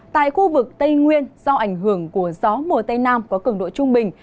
tại khu vực tây nguyên do ảnh hưởng của gió mùa tây nam có cường độ trung bình